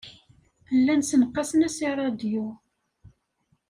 Llan ssenqasen-as i ṛṛadyu.